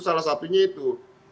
salah satunya itu